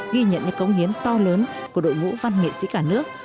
ghi nhận những cống hiến to lớn của đội ngũ văn nghệ sĩ cả nước